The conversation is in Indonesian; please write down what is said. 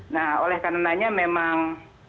nah oleh karena memang